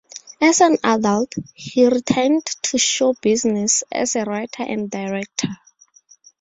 As an adult, he returned to show business as a writer and director.